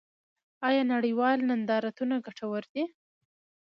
آیا نړیوال نندارتونونه ګټور دي؟